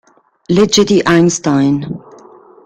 Legge di Einstein